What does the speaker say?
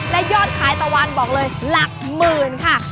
และยอดขายตะวันบอกเลยหลักหมื่นค่ะ